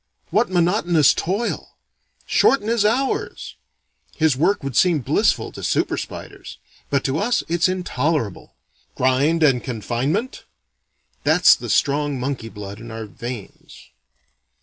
What monotonous toil! Shorten his hours!" His work would seem blissful to super spiders, but to us it's intolerable. "Grind and confinement?" That's the strong monkey blood in our veins.